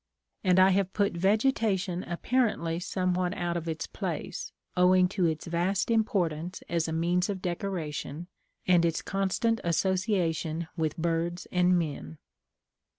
And I have put vegetation apparently somewhat out of its place, owing to its vast importance as a means of decoration, and its constant association with birds and men.